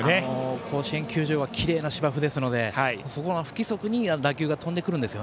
甲子園球場はきれいな芝生ですので不規則に打球が飛んでくるんです。